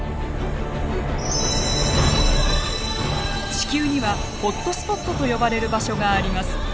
地球にはホットスポットと呼ばれる場所があります。